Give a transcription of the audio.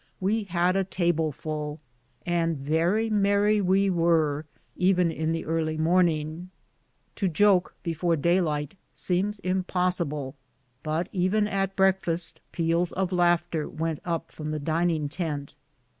We had a tableful, and very merry we were, even in the early morning. To joke before day light seems impossible, but even at breakfast peals of laughter went up from the dining tent.